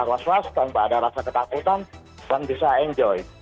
bisa ruas ruas tanpa ada rasa ketakutan dan bisa enjoy